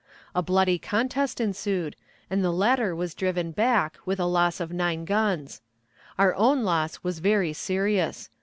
A bloody contest ensued, and the latter was driven back, with the loss of nine guns. Our own loss was very serious.